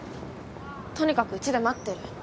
とにかくうちで待ってる。